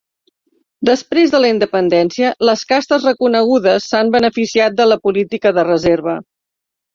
Després de la independència, les Castes Reconegudes s’han beneficiat de la política de reserva.